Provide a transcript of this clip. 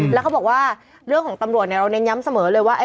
แล้วเขาบอกว่าเรื่องของตำรวจเราเน้นย้ำเสมอเลยว่า